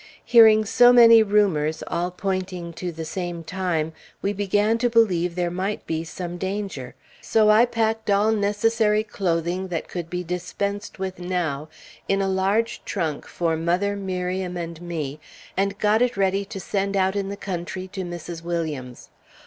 Hearing so many rumors, all pointing to the same time, we began to believe there might be some danger; so I packed all necessary clothing that could be dispensed with now in a large trunk for mother, Miriam, and me, and got it ready to send out in the country to Mrs. Williams.